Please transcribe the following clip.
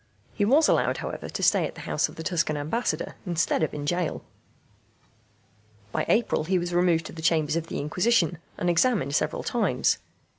He was allowed, however, to stay at the house of the Tuscan Ambassador instead of in gaol. By April he was removed to the chambers of the Inquisition, and examined several times.